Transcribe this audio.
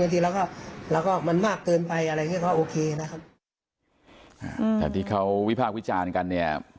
บางทีแล้วก็แล้วก็มันมากเกินไปอะไรอย่างนี้เขาโอเคนะครับอืมแต่ที่เขาวิภาควิจารณ์กันเนี่ย